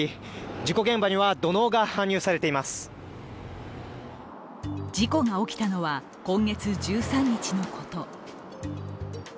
事故が起きたのは、今月１３日のこと。